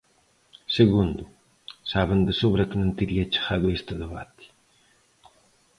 Segundo, saben de sobra que non tería chegado a este debate.